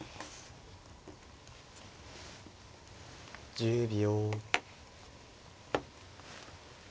１０秒。